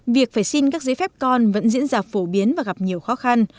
việc phải xin các giấy phép con vẫn diễn ra phổ biến và gặp nhiều khó khăn